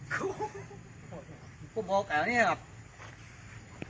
ก็บอกเอาเนี่ยแบบ